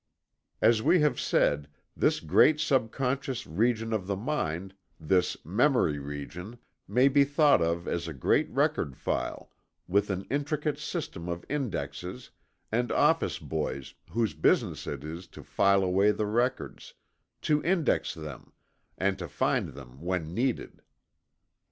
As we have said, this great subconscious region of the mind this Memory region may be thought of as a great record file, with an intricate system of indexes, and office boys whose business it is to file away the records; to index them; and to find them when needed.